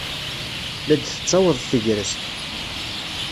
La d-tettaweḍ tegrest.